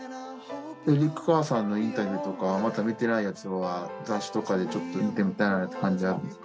エリック・カーさんのインタビューとか、まだ見てないやつは、雑誌とかでちょっと見てみたいなって感じあるんですか？